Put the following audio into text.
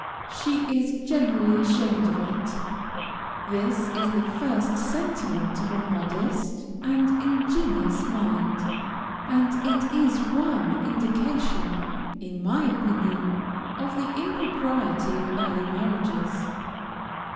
She is generally ashamed of it. This is the first sentiment of a modest and ingenuous mind, and it is one indication, in my opinion, of the impropriety of early marriages.